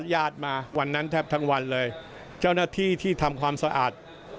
ญาติมาวันนั้นแทบทั้งวันเลยเจ้าหน้าที่ที่ทำความสะอาด